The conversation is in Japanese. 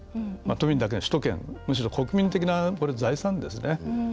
都民だけでなく首都圏むしろ国民的な、これ財産ですね。